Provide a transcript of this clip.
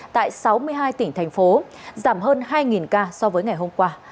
tại sáu mươi hai tỉnh thành phố giảm hơn hai ca so với ngày hôm qua